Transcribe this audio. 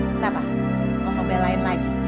kenapa mau ngebelain lagi